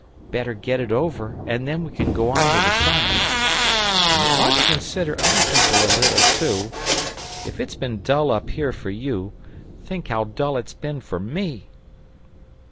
Better get it over, and then we can go on with the sonnets. And you ought to consider other people a little, too. If it's been dull up here for you, think how dull it's been for me!"